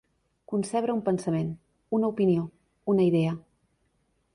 Concebre un pensament, una opinió, una idea.